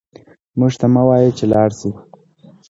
موږ ته مه وايه چې لاړ شئ